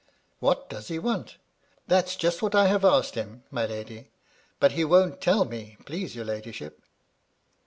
« What does he want T "That's just what I have asked him, my lady, but he won't tell me, please your ladyship."